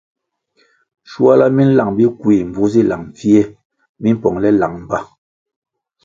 Shuala mi nlang Bikui mbvu zi lang pfie mimpongʼle lang mba.